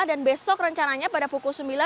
dan besok rencananya pada pukul sembilan